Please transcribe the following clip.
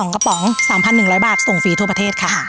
กระป๋อง๓๑๐๐บาทส่งฟรีทั่วประเทศค่ะ